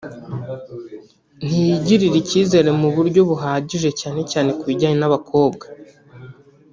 ntiyigirira icyizere mu buryo buhagije cyane cyane ku bijyanye n’abakobwa